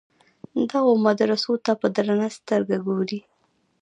دغو مدرسو ته په درنه سترګه ګوري.